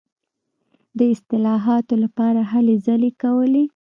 د اصلاحاتو لپاره هلې ځلې کولې.